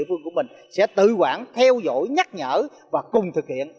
quân của mình sẽ tự quản theo dõi nhắc nhở và cùng thực hiện